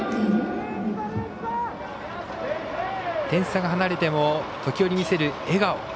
点差が離れても時折見せる笑顔。